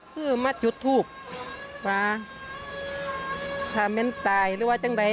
คือมาจุดทูบมาถ้าแม่นตายหรือว่าจังใด